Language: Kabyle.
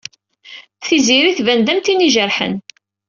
Tiziri tban-d am tin i ijerḥen.